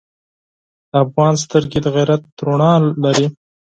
د افغان سترګې د غیرت رڼا لري.